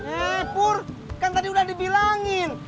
eh pur kan tadi udah dibilangin